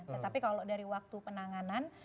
tetapi kalau dari waktu penanganan